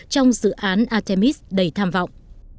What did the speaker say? trong dự án artemis đầy tham vọng